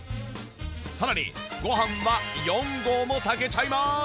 さらにご飯は４合も炊けちゃいます！